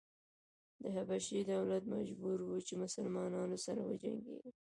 د حبشې دولت مجبور و چې مسلنانو سره وجنګېږي.